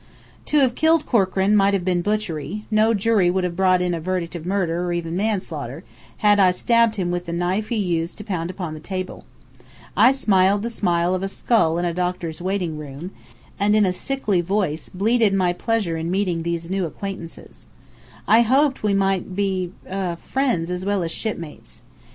To have killed Corkran might have been butchery; no jury could have brought in a verdict of murder or even manslaughter, had I stabbed him with the knife he used to pound upon the table. I smiled the smile of a skull in a doctor's waiting room, and in a sickly voice bleated my pleasure in meeting these new acquaintances. I hoped we might be er friends as well as shipmates.